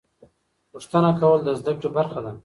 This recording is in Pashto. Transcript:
پوښتنه کول د زده کړې برخه ده.